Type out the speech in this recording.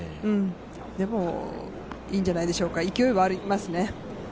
でもいいんじゃないでしょうか勢いはありますね。